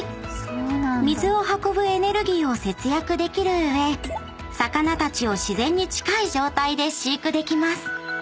［水を運ぶエネルギーを節約できる上魚たちを自然に近い状態で飼育できます］